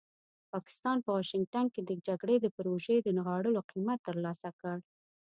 پاکستان په واشنګټن کې د جګړې د پروژې د نغاړلو قیمت ترلاسه کړ.